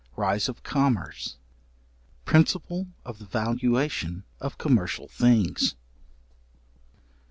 Rise of Commerce. Principle of the valuation of commercial things.